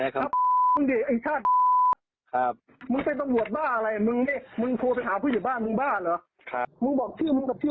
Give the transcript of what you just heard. กูจะขับรถไปตัวนี้ไอ้ชาติ